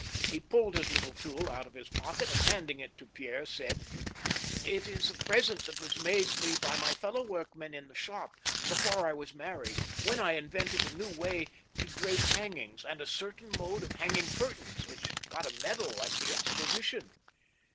He pulled his little tool out of his pocket, and, handing it to Pierre, said :" It is a present that was made me by my fellow workmen in the shop, before I was married, when I invented a new way to drape hangings, and a certain mode of hanging curtains, which got a medal at the exposition."